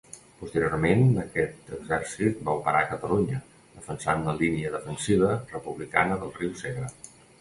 Posteriorment aquest exèrcit va operar a Catalunya, defensant la línia defensiva republicana del riu Segre.